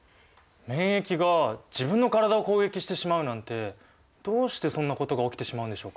免疫が自分の体を攻撃してしまうなんてどうしてそんなことが起きてしまうんでしょうか？